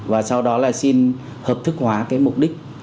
và sau đó là xin hợp thức hóa cái mục đích